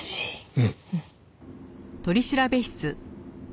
うん。